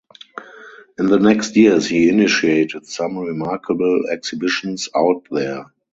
In the next years he initiated some remarkable exhibitions out there.